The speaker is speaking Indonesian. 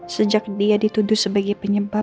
sejak dia dituduh sebagai penyebab